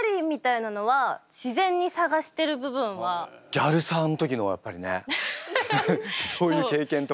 ギャルサーの時のやっぱりねそういう経験とかも。